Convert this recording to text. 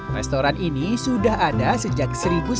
restoran ini sudah ada sejak seribu sembilan ratus sembilan puluh